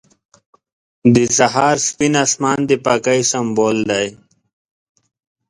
• د سهار سپین آسمان د پاکۍ سمبول دی.